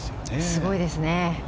すごいですね。